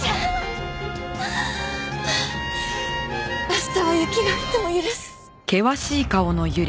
明日は雪が降っても許す！